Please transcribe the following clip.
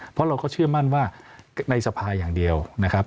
เพราะเราก็เชื่อมั่นว่าในสภาอย่างเดียวนะครับ